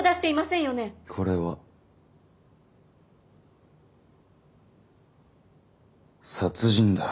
これは殺人だ。